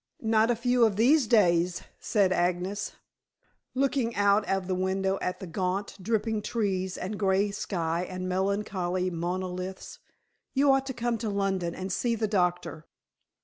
"Not a few of these days," said Agnes, looking out of the window at the gaunt, dripping trees and gray sky and melancholy monoliths. "You ought to come to London and see the doctor."